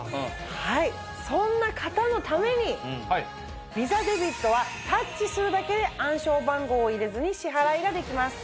はいそんな方のためにＶｉｓａデビットはタッチするだけで暗証番号を入れずに支払いができます。